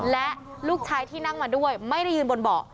และลูกชายที่นั่งมาด้วยไม่ได้ยืนบนเบาะ